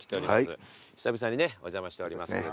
久々にねお邪魔しておりますけれども。